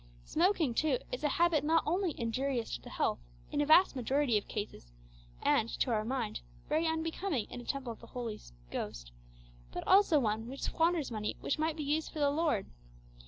Smoking, too, is a habit not only injurious to the health in a vast majority of cases, and, to our mind, very unbecoming in a "temple of the Holy Ghost," but also one which squanders money which might be used for the Lord.